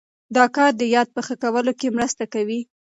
دا کار د یاد په ښه کولو کې مرسته کوي.